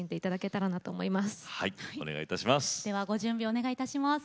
お願いいたします。